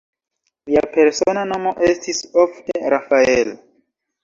Lia persona nomo estis ofte "Rafael".